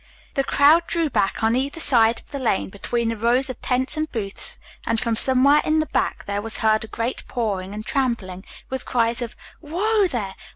The crowd drew back on either side of the lane between the rows of tents and booths and from somewhere in the back there was heard a great pawing and trampling, with cries of "Whoa, there!